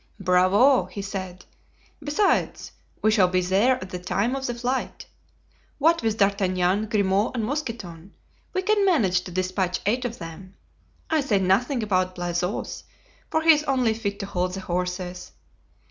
"Bravo!" he said; "besides, we shall be there at the time of the flight. What with D'Artagnan, Grimaud and Mousqueton, we can manage to dispatch eight of them. I say nothing about Blaisois, for he is only fit to hold the horses.